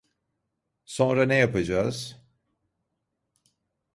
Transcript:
Sonra ne yapacağız?